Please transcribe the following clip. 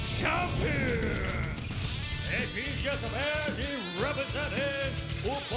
คุณผู้หญิงคุณผู้หญิง